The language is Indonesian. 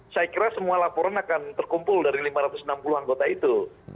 saya kira semua laporan akan terkumpul dari lima ratus enam puluh anggota itu